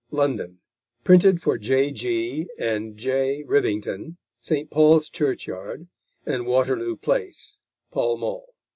London: printed for J.G. & J. Rivington, St. Paul's Church Yard, and Waterloo Place, Pall Mall_.